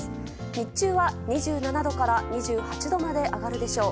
日中は２７度から２８度まで上がるでしょう。